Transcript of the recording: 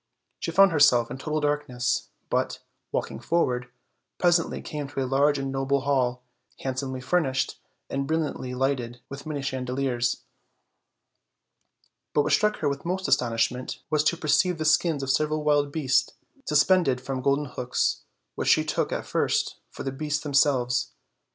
She found herself in total darkness; but, walking forward, presently came to a large and noble hall, handsomely furnished and brilliantly lighted with many chandeliers; but what struck her with most astonishment was to per ceive the skins of several wild beasts suspended from golden hooks, which she took at first for the beasts them selves.